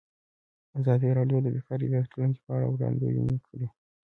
ازادي راډیو د بیکاري د راتلونکې په اړه وړاندوینې کړې.